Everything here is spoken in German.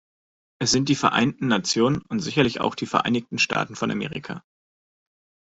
Es sind die Vereinten Nationen und sicherlich auch die Vereinigten Staaten von Amerika.